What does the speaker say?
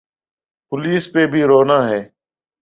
Police پہ بھی رونا ہے۔